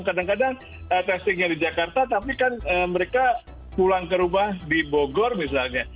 kadang kadang testingnya di jakarta tapi kan mereka pulang ke rumah di bogor misalnya